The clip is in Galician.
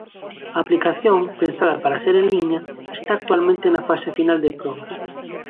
A aplicación, pensada para ser en liña, está actualmente na fase final de probas.